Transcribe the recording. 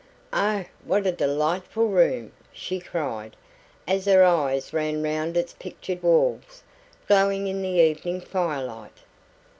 "Oh, what a delightful room!" she cried, as her eyes ran round its pictured walls, glowing in the evening firelight.